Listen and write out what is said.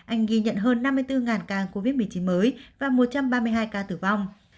anh ghi nhận hơn năm mươi bốn ca covid một mươi chín mới và một trăm ba mươi hai ca tử vong